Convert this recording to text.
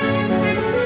ya udah mbak